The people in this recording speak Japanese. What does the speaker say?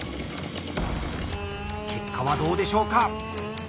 結果はどうでしょうか